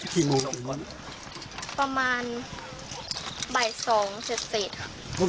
ก็มีใครซึ่ง